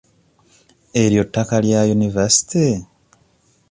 Eryo ttaka lya yunivaasite?